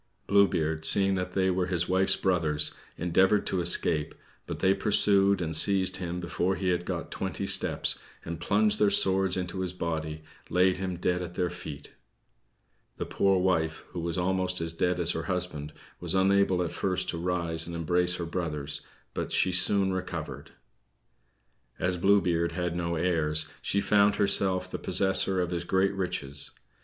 Blue Beard, seeing they were his wife's brothers, endeavored to escape, but they pursued and seized him before he had got twenty steps, and, plunging their swords into his body, laid him dead at their feet. The poor wife, who was almost as dead as her husband, was unable at first to rise and embrace her brothers, but she soon recovered. As Blue Beard had no heirs, she found herself the possessor of his great riches.